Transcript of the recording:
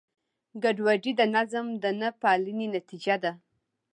ګډوډي د نظم د نهپالنې نتیجه ده.